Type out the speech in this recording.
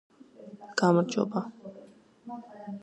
გამარჯობა!